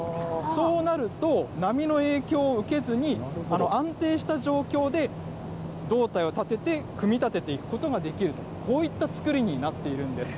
そうなると、波の影響を受けずに、安定した状況で胴体を立てて組み立てていくことができる、こういったつくりになっているんです。